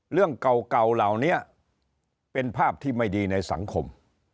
เรื่องเก่าเหล่านี้เป็นภาพที่ไม่ดีในสังคม